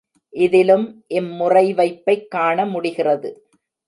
இதிலும் இம் முறைவைப்பைக் காண முடிகிறது.